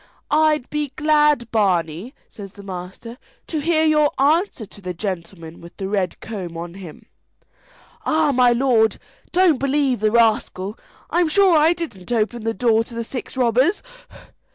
"I'd be glad, Barney," says the master, "to hear your answer to the gentleman with the red comb on him." "Ah, my lord, don't believe the rascal; sure I didn't open the door to the six robbers."